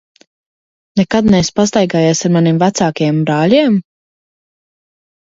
Nekad neesi pastaigājies ar maniem vecākajiem brāļiem?